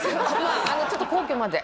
ちょっと皇居まで。